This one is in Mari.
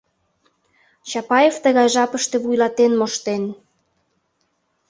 Чапаев тыгай жапыште вуйлатен моштен...